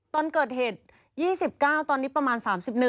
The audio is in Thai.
ตอนเกิดเหตุ๒๙ตอนนี้ประมาณ๓๑